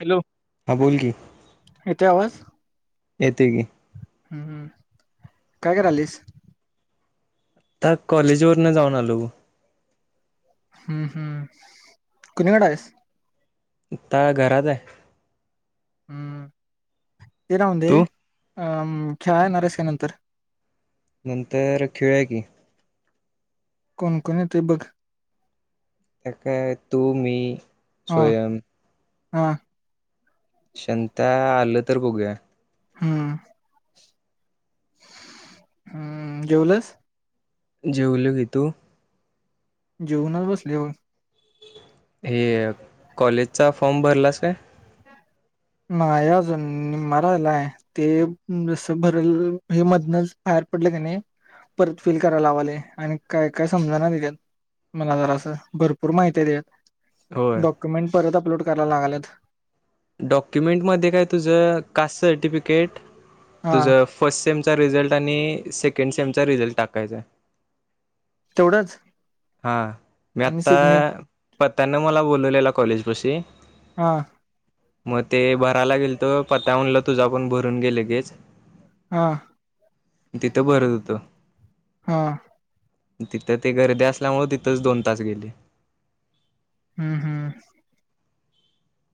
Hello हा बोल येतोय आवाज. येतंय कीं. हम्म हम् काय करालयीस? आता कॉलेजवरन जाऊन आलो बग. हम्म हम्म कुणीकडं हाईस? आता घरात हाय. हम्म. ते राहून दे. तू अ म खेळाय येणार आहेस काय नंतर? नंतर खेळू या की. कोणकोण येतय बग. [unintelligible] तू मी. हा स्वयंम. हा. संता आलं तर बघूया. हम्म. हम् जेवलस. जेवल की तू. जेऊनच बसलेय वं. हे कॉलेजचा फॉर्म भरलास काय? माय अजून म रालाय ते जस भरल हे मधनच बाहेर पडलं कीं नाय. परत फील करायला लावलंय. आनी काय काय समजना त्याच्यात मला जरासं भरपूर माहित हाय त्याच्यात. होय डॉक्युमेंट बद्दल. अपलोड करायला आल्यात. डॉक्युमेंट मध्ये काय तुझ कास्ट सर्टिफिके [unintelligible] हा तुझं फस्ट सेम चा रिझल्ट आणि सेकंड सेमचा रिझल्ट टाकायचा. तेवढंच. हा मी आणि आता सिग्नेच पतन मला बोलवलेलं कॉलेज तशी. हा. मग ते भरायला गेल त पता म्हल तुझा पण भरून घे लगेच. हा. तिथं बर होत. हा. तिथं ते गर्दी अस त्यामुळं तिथंच दोन तसं गेले. हम्म हम्म.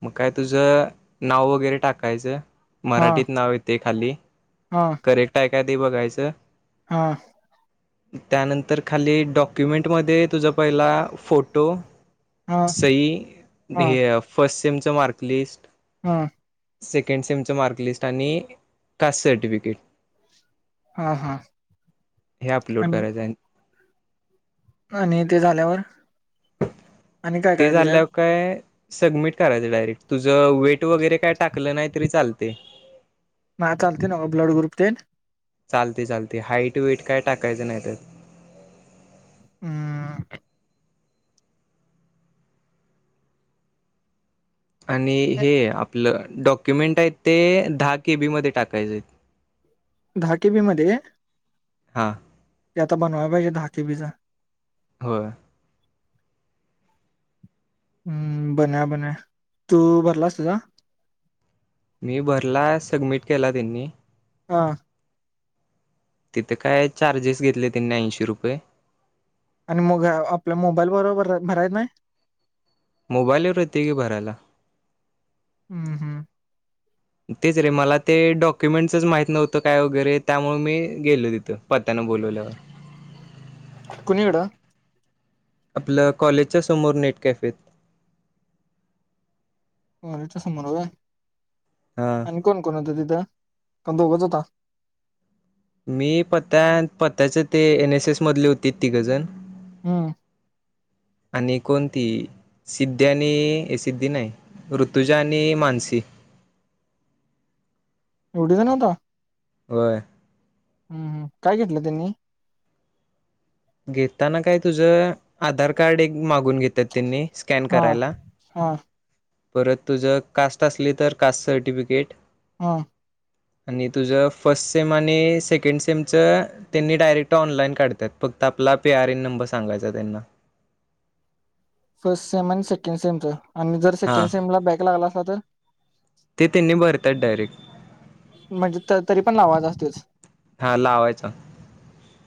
मग काय तुझं नाव वगैरे टाकायचं? हा मराठीत नाव येते. खाली. हा करेक्ट आहे. काय ते बघायचं. हा त्यानंतर खाली डॉक्युमेंटमध्येध्ये तुझा पहिला हा फोटोही सई हे फस तेमचं मार्कलिस्ट हम. सेकंड सीमच मार्कलिस्ट आणि कास्ट सर्टिफिकेट किकेट. हा हा हे अपलोड आणि करायचं आहे. आणि ते झाल्यावर आणि काय ते काय त्याच्यात झाल्यावर काय. सबमिट करायचं डायरेक्ट तुझं वेट वगैरे काय टाकलं नाही तरी लत ते मा चालतेन ब्लड ग्रुप तेन चालते चालते हाईट वईट काय टाकायचं नाहीतत. हम्म आणि हे आप आपलं डॉक्युमेंट आहेत ते दहा केबीमध्ये टाकायचं आहेत. दहा केबी मधे हा ते आता बनवाय पाहिजे दहा केबी चा हो हम्म बन बन तू भरलास तूझ मी भरला सबमिट केला त्यांनी हा तिथे काय चार्जेस घेतले त्यांनी ऐंशी रुपये आणि मग आपल्या मोबाईल बरोबर भरायच नाही. मोबाईल वर येतय की भरायला. हम्म हम्म तेच रे मला ते डॉक्युमेंटसच माहित नव्हतं. काय वगैरे त्यामुळे मी गेलो तिथं पत्यांना बोलवल्यावर कुणीकडं आपलं कॉलेजच्या समोर नेट कॅफेत अच्या समर आहे. हां आणि कोण कोण होता तिथं का दोगच होता. मी पत्या पत्याच ते एनएस एस मधले होते तिघजण हम् आणि कोण ती सिद्धी आणि सिद्धी नाही ऋतुजा आणि मानसी एवढीच न होता. वर हम् काय घेतलं त्यांनी घेताना काय तुझ आधार कार्ड एक मागु मागून घेतात त्यांनी स्कॅन हा करायला. हा परत तुझं कास्ट असली तर कास्ट सर्टिफिकेट हा. आणि तुझं फर्स्ट सेम आणि सेकंड सेमचं त्यांनी डायरेक्ट ऑनलाइन काढतात. फक्त आपला पी आर एन नंबर सांगायचा त्यांना. फर्स्ट सेम आणि सेकंड सेमच. आणि जर हां सेकंड सिमला बॅक लागला असला तर. ते त्यांनी भरत्यात डायरेक्ट. म्हणजे त तरी पण लावायच असतयच. हा लावायच.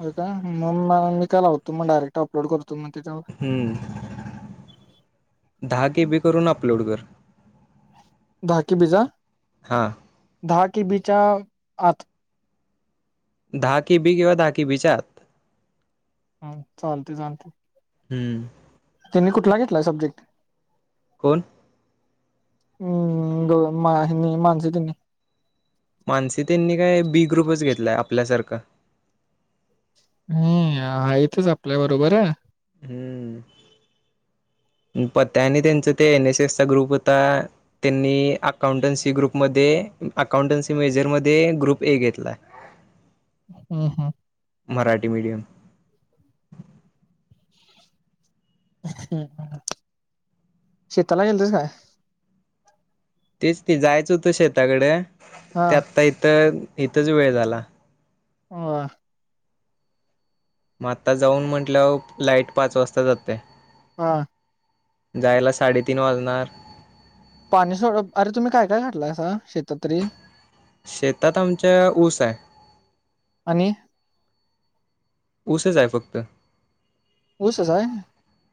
होय काय म मी काय लावतो म डायरेक्ट अपलोड करतो. मग त्याच्यावर हम्म, दहा केबी करून अपलोड कर. बाकी बीजा, हां दहा केबीच्या आत दहा केबी किंवा दहा केबीच्या आत. हम् चालतय चालतय. हम्म. त्यांनी कुठला घेतलाय सब्जेक्ट? कोण? हम् गौ मा ह्यानी मानसी तेनी. मानसी त्यांनी काय बी ग्रुपच घेतलाय आपल्यासारखं. हम् या हितच आपल्या बरोबर हाय. हम्, पत्या आणि त्यांच ते एन एस एस चा ग्रुप होता त्यांनी अकाउंटन्सी ग्रुप मध्ये अकाउंटन्सी मेजर मध्ये ग्रुप ए घेतलाय. हम्म हम्. मराठी मीडियम. हम्म, शेताला गेलतास काय? तेच ते जायचं होतं शेताकड हा ते आता इथं इथंच वेळ झाला. हा. म आता जाऊन म्हंटल्या वर लाईट पाच वाजता जात्या. हा. जायला साडेतीन वाजणार. पाणी सोड अरे तुम्ही काय काय घातलंयासा शेता शेतात आमच्या ऊस हाय. आणि उसच हाय फक्त. ऊसच हाय,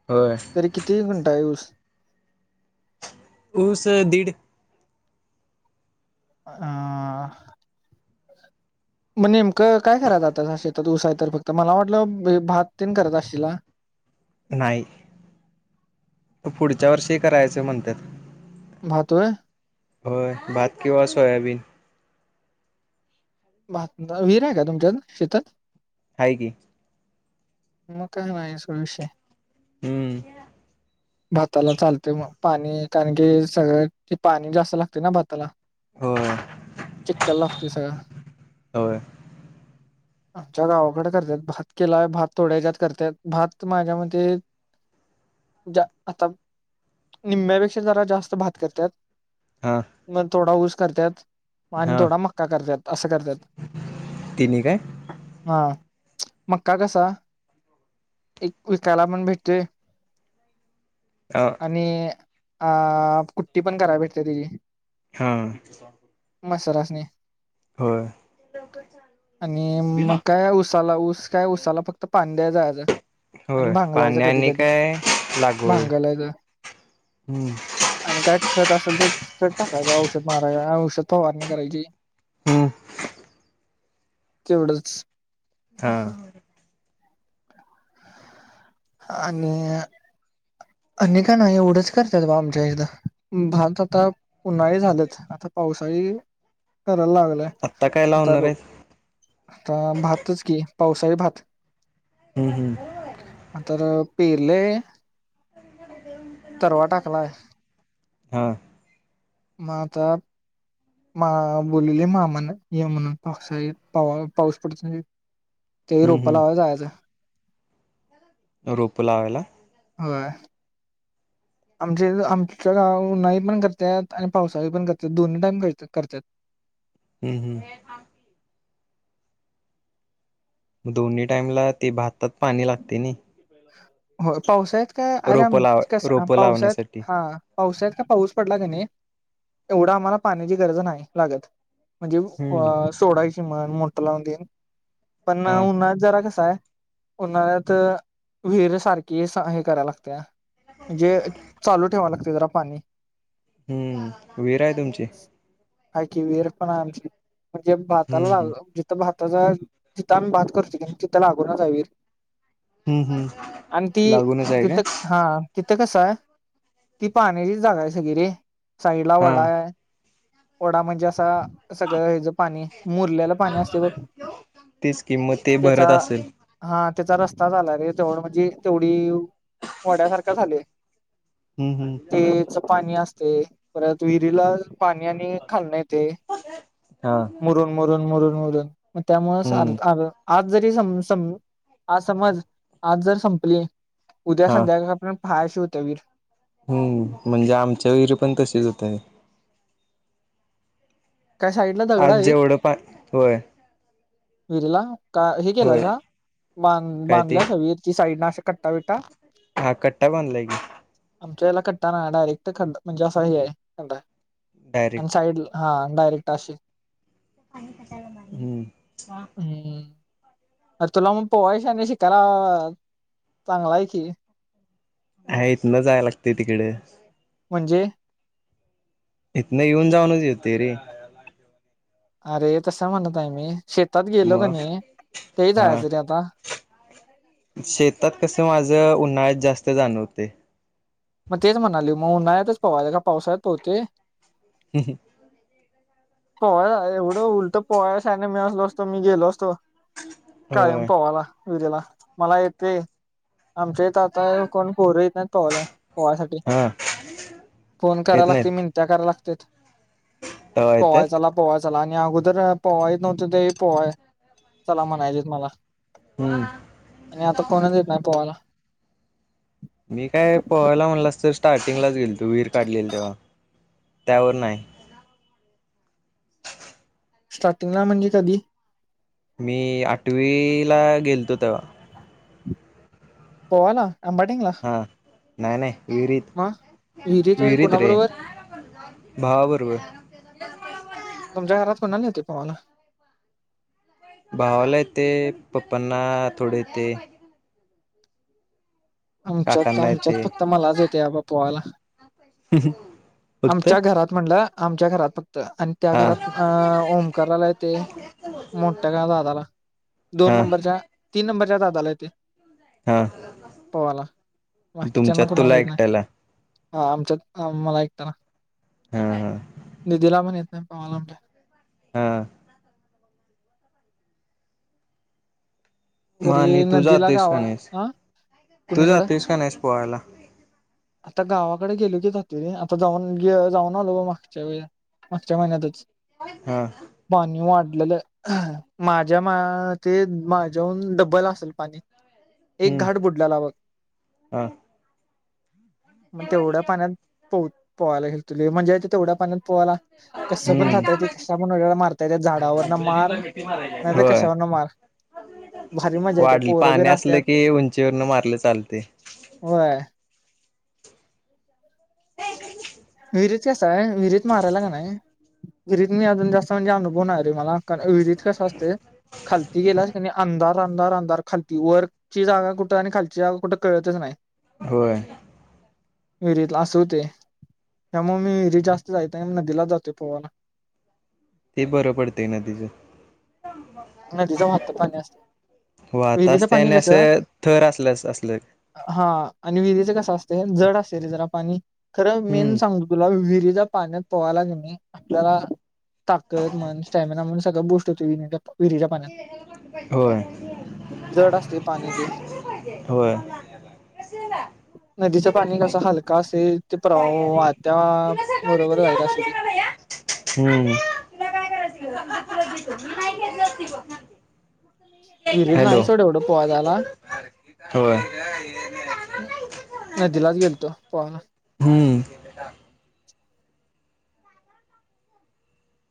होय तरी किती गुंठा हाय ऊस? ऊस दीड आ. म नेमकं काय करायच आता शेतात ऊस हाय तर फक्त मला वाटलं भात तेन करत असशीला. नाही, पुढच्या वर्षी करायच म्हणत्यात. भात होय होय भात किंवा सोयाबीन. भात विहीर हाय काय तुमच्यात शेतात? हाय की मगं काय नाही हाय सोड विषय हम्म भाताला चालतय मगं पाणी कारण, की सगळं पाणी जास्त लागते ना भाताला होय चिखल लागतोय सगळा होय आमच्या गावाकडे करत्यात भात केलाय भात थोड्या ज्यात करतात भात माझ्या मते. आता निम्यापेक्षा जरा जास्त भात करत्यात. हा मगं थोडा करत्यात आणि हा थोडा मक्का करत्यात असं करत्यात तिन्ही काय हा मक्का कसा एक विकायला पण भेटतोय, अ आणि, अ कुठ्टी पण कराय भेटते तेजी, हा. म सरासनी होय. आणि मगं काय उसालाऊस, काय उसाला फक्त [unintelligible] आणि होय भांगलायच कधी पाण्याने कधी, काय लागवड भांगलायच हम्म आणि काय खत असेल तर, टाकायचं औषध मारायच, औषध फवारणी, करायची. हम्म. [unintelligible] हा. आणि आणि का नाही एवढंच करतात बा, आमच्या इथं भात आता उन्हाळी झालंत, आता पावसाळी करायला लागलाय आत्ता काय आता लावणार आहेस? आता भातच की, पावसाळी भात. हम्म हम्म. तर पेरलय तरवा टाकलाय हा. मंग आता, मा बोललेले मामान ये म्हणून पावसाळीत पाऊस पडतोय तेही हम्म रोपा हम्म लावायला जायचं. रोप लावायला? होय आमचे आमच्या गाव उन्हाळी पण करतात. आणि पावसाळी पण करत दोन्ही टाईम करत करतात. हम्म हम्म. दोन्ही टाईमला ते भातात पाणी लागतय नाय होय पाऊसाळ्यात लाव रोप लावण्यासाठी [inaudible] एवढं आम्हाला पाण्याची गरज नाही लागत. म्हणजे ऊ हम्म सोडायची मग मोठ लावून दे. पण हा उन्हाळ्यात जरा कस आहे. उन्हाळ्यात विहीर सारखी सा हे करायला लागत्या. म्हणजे चालू ठेवा लागतय जरा पाणी. हम्म! विहीर हाय तुमची? हाय की विहीर पण हाय आमची. म्हणजे भाताला हम्म हम्म ला जिथं भात तिथं आम्ही भात करूतोय कनी तिथं लागूनच हाय विहीर. हम्म हम्म आणि ती लागूनच आहे काय तिथं हा. तिथं कसंय ती पाण्याचीच जागा हाय सगळी रे. साईड ला हा वडाय. वडा म्हणजे असा सगळं हेज पाणी मुरलेलं पाणी असतय बघ तेच कि मग ते त्यचा भरत असेल हा त्याचा रस् अज आलाय रे. तेवढ म्हणजे तेवढी वड्या सारखा झालोय. हम्म हम्म तेच पाणी असतय, परत विहिरीला पाणी आणि खालण येतय हा मुरून मुरून मुरून [inaudible] मग त्यामुळच हम्म आज जरी ते सम सम आज समज आज जर संपले. उद्या हा. संध्याकाळ पर्यं हाय अशी होत्या विहीर. हम्म म्हणजे, आमच्या विहिरी पण तशीच होत्या. काय साईडला दगड आज आहे जेवढं पा होय. विहीरिला. का हे होय. केलासा बांध काय ते बांधलासा विहीर ती साईड न अस ते कटा विटा. हा कट्टा बांधलाय कि. आमच्या याला कट्टा नाय डायरेक्ट खड्डा म्हणजे असा हे हाय खड्डा हाय. आणि डायरेक्ट. साईडला हा डयरेक्ट आशी. [unintelligible] हम्म हम अरे तुला मग पवायला शान्या चांगलाय की, हाय इथन जायला लागतय तिकड. म्हणजे, इथनं येऊन जाऊनच येतोय रे. आरेे तस म्हणत नाही मी. शेतात गेलो का मग, नाही तेही हा जायचं रे आता शेतात कस माझ उन्हाळ्यात जास्त तर जाण हुतय. मग तेच म्हणालोय मग उन्हाळतच पवायचं गा काय पावसाळ्यात पवतय. [unintelligible] पोवाय जायाच, एवढं उलट पोवाय शान्या मी असलो असतो मी गेलो असतो. कायम होय पवाला. विहरीला मला येतय, आमचे तिथ आता कोण पोर येत नाहीत पोहायला. पोहायसाठी. हा फोन कराय येत लागतोय नाहीत मिनत्या कराय लागत त्यात. तवा येतात. पोवाय चला पोवाय चला आणि अगोदर पोहाय ईत नव्हतं, त्यावेळी पोहाय चला म्हणायचेेत मला, हम्म. आणि आता कोणाच येत नाही पोहायला. मी काय पोहायला म्हणलास तर, स्टार्टिंगलाच गेलतो विहीर काढलेली तवा त्यावर नाही. स्टार्टिंगला म्हणजे कधी? मी आठवी ला गेलतो तवा. पवायला? आंबाटींगला. हा नाही नाही. विहिरीत, विहिरीत रे भावाबरोबर. [inaudible] तुमच्या घरात कुणाला येतय पवायला? भावाला येतय, पप्पांना थोड येतय. आमच्यात काकांना आमच्यात येते फक्त‌ मलाच येतय बा पोहायला. ह् ह. आमच्या घरात म्हणला. आमच्या घरात फ क्त आणि त्या हा घरात अ ओंकारला येतय मोठ्या का दादाला दोन हा नंबरच्या, तीन नंबरच्या दादाला येतय. हा पवायला बाकीच्यांना तुमच्यात कुणाला तुला येत नाही. एकट्याला हां आमच्यात मला एक [unintelligible] हा हा दिदीला पण येत चल पवायला बघूया. हा. म आणि तरी तू नदीला जातीस का गावा नाहीस, हा तू कुणीकडं जातीस का नाहीस? पोहायला. आता गावाकडे गेलो की जातोय रे, आता जाऊन जाऊन आलो ब मागच्या वेळी, मागच्या महिन्यातच. हा. लेल माझ्या मा् ते माझ्याहून डब्बल असेल पाणी. एक हम्म घाट बुडल्याला बग. हा म तेवढ्या पाण्यात पोह- पोहायला गेलतु लय मज्ज्या येती तेवढ्या पाण्यात - - पोहाला, कस पण जाता येत हम्म कशा पण उड्या मारता येत झाडावर न मार नाहीतर होय कशावर न मार भारी मज्जा येत्या वाढ पोरबीर पाणी असलं असत्यात, की उंचीवरन मारलं चालते व्हय. ते इकड कि - - विहीर अस- असाय विहिरीत मारायला काय नाय - - विरीत मी अजून जास्त म्हणजे अनुभव नाय रे मला. विरीत कस असतयं खालती गेलास कीनी अंधार- - अंधार अंधार खालती वर ची जागा कुठे आणि खालची जागा कुठं कळतच नाही. होय. विरीतल अस हुतय. त्यामुळे मी विरीत जास्त जाईत नाही. नदीला जातोय पोवाला. ते बरं पडतंय नदीचं. नदीच वाहत पाणी असत वाहत विहिरीचं असते पाणी आणि कसं असं थर असल्यास असलं हां आणि विहिरीच कसं - - कसं असतयं जड असतयरे जरा पाणी. खरं मेन हम्म सांगू तुला विरि - - तल्या पाण्यात पोवाला किनी आपल्याला ताकद म्हण स्टॅमिना म्हण सगळ बुष्ट होतेय विरीत पव - - विरीच्या पाण्यात- होय - जड असतय पाणी ते होय नदीचं पाणी कस हलक अस- - काय अरे तुला सगळं मी तुझ्या जायचं हातात असते ते देणार नाही हं हुं तुला काय करायचं- - [inaudible] विरीत नाही सोड एवढं पोवाय जायला होय नदीलाच गेलतो पोहाय. हुं.